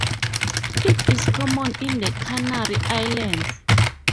It is common in the Canary Islands.